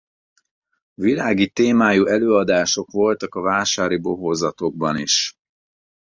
Világi témájú előadások voltak a vásári bohózatokban is.